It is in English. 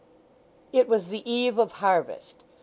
It was the eve of harvest.